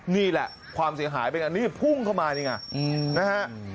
นี่แหละความเสียหายเป็นอันนี้พุ่งเข้ามานี่ไงนะฮะ